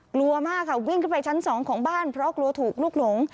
กลัวมากค่ะวิ่งขึ้นไปชั้นสองของบ้านเพราะกลัวถูกลูกหลง